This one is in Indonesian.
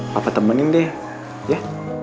papa temenin deh ya